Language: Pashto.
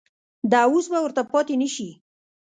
د وس به ورته پاتې نه شي.